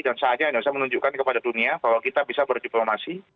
dan saatnya indonesia menunjukkan kepada dunia bahwa kita bisa berdiplomasi